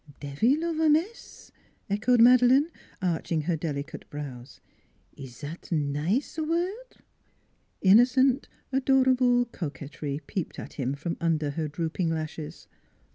" Devil of a mess ?" echoed Madeleine, arch ing her delicate brows. "Ees zat nize word?" Innocent, adorable coquetry peeped at him from under her drooping lashes.